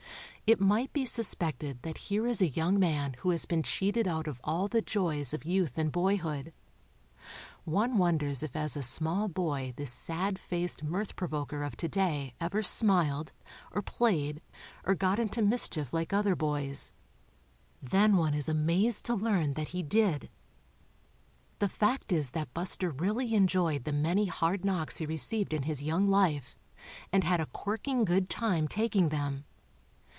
It might be suspected that here is a young man who lias been cheated out of all the joys of youth and boyhood. One wonders if as a small boy this sad faced mirth provoker of today ever smiled, or played or got into mischief like other boys. Then one is amazed to learn that he did. The fact is that Buster really enjoyed the many hard knocks he received in his young life and had a corking good time taking them.